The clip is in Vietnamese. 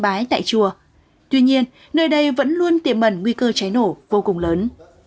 bái tại chùa tuy nhiên nơi đây vẫn luôn tiềm mẩn nguy cơ cháy nổ vô cùng lớn